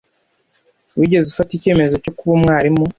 Wigeze ufata icyemezo cyo kuba umwarimu?